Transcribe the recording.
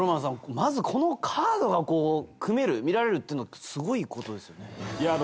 まずこのカードがこう組める見られるってすごいことですよね？